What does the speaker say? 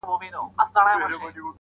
• وخت سره زر دي او ته باید زرګر اوسي,